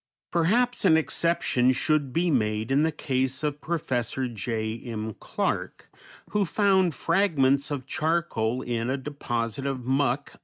Perhaps an exception should be made in the case of Professor J. M. Clarke, who found fragments of charcoal in a deposit of muck under some bones of mastodon.